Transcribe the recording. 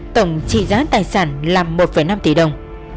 tổng trị giá tài sản là một năm tỷ đồng